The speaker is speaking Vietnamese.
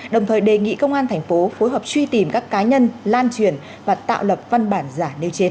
đồng thời đề nghị công an tp phối hợp truy tìm các cá nhân lan truyền và tạo lập văn bản giả nêu trên